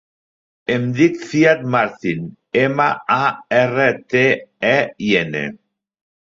Em dic Ziad Martin: ema, a, erra, te, i, ena.